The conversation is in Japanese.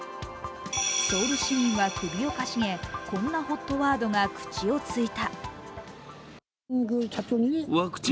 ソウル市民は首をかしげ、こんなＨＯＴワードが口をついた。